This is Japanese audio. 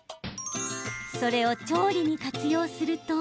それを調理に活用すると。